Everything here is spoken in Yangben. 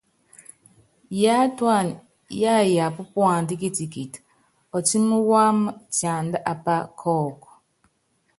Yatúana yayapa puandá kitikiti, ɔtímí wámɛ tiánda apá kɔ́kɔ.